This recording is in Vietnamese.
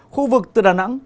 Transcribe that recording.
khu vực từ đà nẵng